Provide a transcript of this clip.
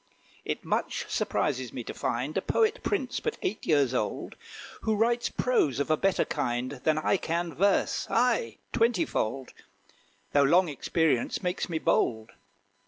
It much surprises me to find A poet prince, but eight years old, Who writes prose of a better kind Than I can verse aye, twenty fold Though long experience makes me bold.